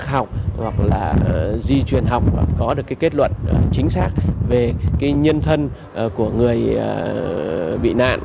hoặc là di truyền học có được kết luận chính xác về nhân thân của người bị nạn